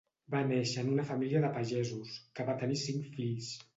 Va néixer en una família de pagesos, que van tenir cinc fills.